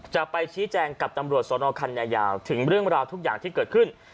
จะไปชี้แจงกับตำรวจสนคันยาวถึงเรื่องราวทุกอย่างที่เกิดขึ้น